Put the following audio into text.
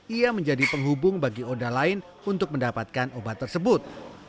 ia menjadi penghubung bagi oda lain untuk mendapatkan obat tersebut